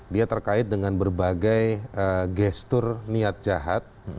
dia terkait dengan berbagai gestur niat jahat